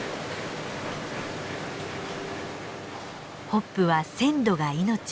ホップは鮮度が命。